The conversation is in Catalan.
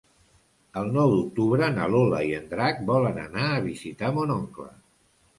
El nou d'octubre na Lola i en Drac volen anar a visitar mon oncle.